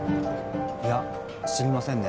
いや知りませんね。